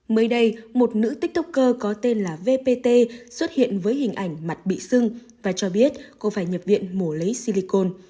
mới đây một nữ tiktoker có tên là vpt xuất hiện với hình ảnh mặt bị sưng và cho biết cô phải nhập viện mổ lấy silicon